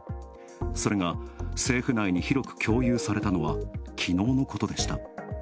それが政府内に広く共有されたのはきのうのことでした。